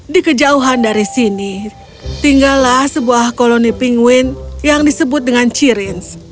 di kejauhan dari sini tinggallah sebuah koloni pinguin yang disebut dengan cirins